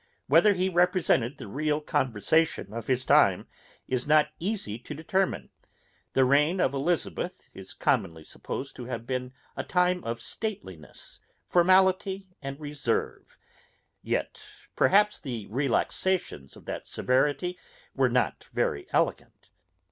Whether he represented the real conversation of his time is not easy to determine; the reign of Elizabeth is commonly supposed to have been a time of stateliness, formality and reserve; yet perhaps the relaxations of that severity were not very elegant.